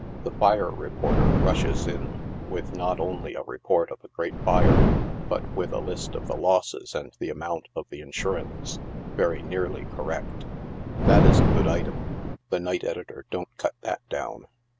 The fire reporter rushes in with not only a report of a great fire, but with a list of the losses and the amount of the insurance — very nearly correct. That is a good item ; the night editor don't cut that down.